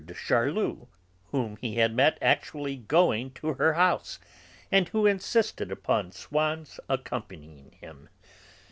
de Charlus, whom he had met actually going to her house, and who had insisted upon Swann's accompanying him.